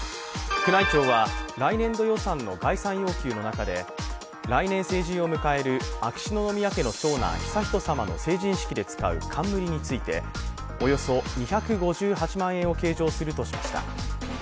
宮内庁は来年度予算の概算要求の中で来年成人を迎える秋篠宮家の長男・悠仁さまの成人式で使う冠についておよそ２５８万円を計上するとしました。